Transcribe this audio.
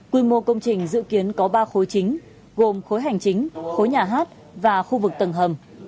quy mô công trình dự kiến có ba khối chính gồm khối hành chính khối nhà hát và khu vực tầng hầm